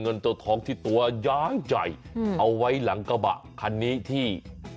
เงินตัวทองที่ตัวย้างใหญ่เอาไว้หลังกระบะคันนี้ที่